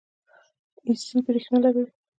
ایسی برښنا لګوي